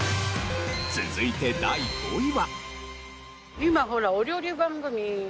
続いて第５位は。